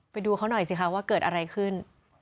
ไปดูเขาหน่อยสิคะว่าเกิดอะไรขึ้น